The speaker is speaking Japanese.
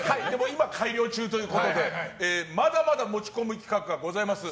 今、改良中ということでまだまだ持ち込み企画ございます。